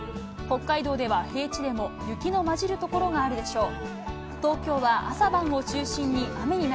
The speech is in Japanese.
北海道では平地でも雪の交じる所があるでしょう。